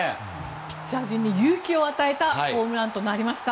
ピッチャー陣に勇気を与えたホームランとなりました。